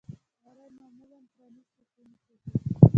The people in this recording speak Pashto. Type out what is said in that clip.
غالۍ معمولا پرانيستې خونې پوښي.